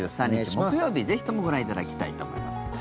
２３日、木曜日ぜひともご覧いただきたいと思います。